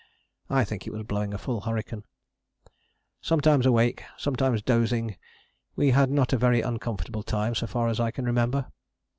I think it was blowing a full hurricane. Sometimes awake, sometimes dozing, we had not a very uncomfortable time so far as I can remember.